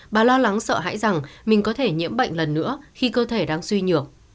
bà lo lắng sợ hãi rằng mình có thể nhiễm bệnh lần nữa khi cơ thể đang suy nhược